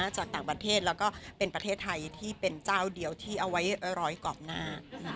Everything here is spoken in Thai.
จากต่างประเทศแล้วก็เป็นประเทศไทยที่เป็นเจ้าเดียวที่เอาไว้ร้อยกรอบหน้า